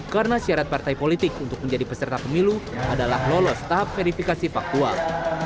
karena syarat partai politik untuk menjadi peserta pemilu adalah lolos tahap verifikasi faktual